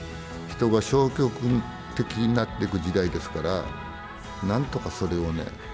人が消極的になってく時代ですからなんとかそれをね